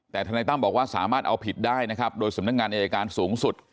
แต่ทนายตั้มบอกว่าสามารถเอาผิดได้นะครับโดยสำนักงานอายการสูงสุด